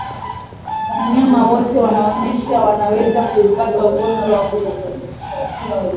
Wanyama wote wanaonyonyesha wanaweza kuapata ugonjwa huu